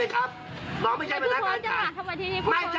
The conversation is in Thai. ไม่ใช่น้องเป็นพนักงานขายหรือเปล่า